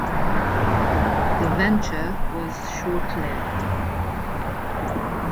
The venture was short-lived.